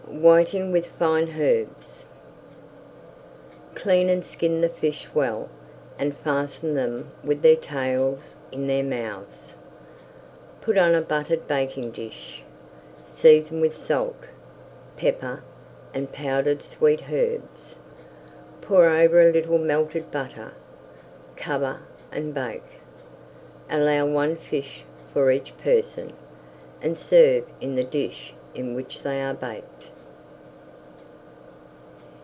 WHITING WITH FINE HERBS Clean and skin the fish well and fasten them with their tails in their mouths. Put on a buttered baking dish, season with salt, pepper, and powdered sweet herbs, pour over a little melted butter, cover, and bake. Allow one fish for each person and serve in the dish in which they are baked.